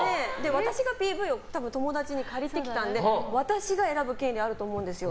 私がＰＶを友達に借りてきたので私が選ぶ権利あると思うんですよ。